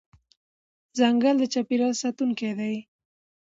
ځنګل د چاپېریال ساتونکی دی.